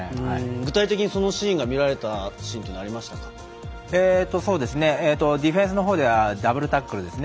具体的にそのシーンが見られたディフェンスのほうではダブルタックルですね。